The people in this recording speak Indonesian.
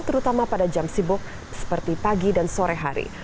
terutama pada jam sibuk seperti pagi dan sore hari